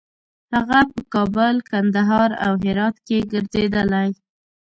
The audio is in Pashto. هغه په کابل، کندهار او هرات کې ګرځېدلی.